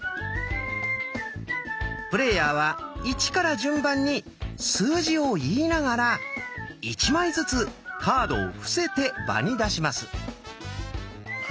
プレーヤーは「１」から順番に数字を言いながら１枚ずつカードを伏せて場に出します。